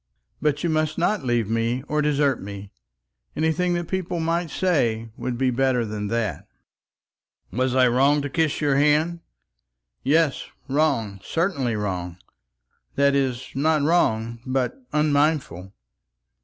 But you must not leave me or desert me. Anything that people might say would be better than that." "Was I wrong to kiss your hand?" "Yes, wrong, certainly wrong; that is, not wrong, but unmindful."